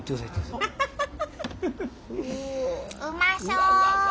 うまそう。